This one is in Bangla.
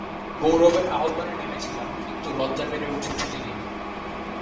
গৌরবের আহ্বানে নেমেছিলেম কিন্তু লজ্জা বেড়ে উঠছে প্রতিদিন।